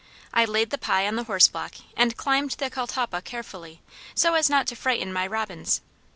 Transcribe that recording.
I laid the pie on the horseblock and climbed the catalpa carefully, so as not to frighten my robins.